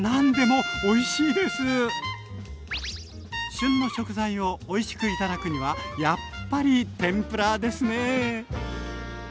旬の食材をおいしくいただくにはやっぱり天ぷらですね。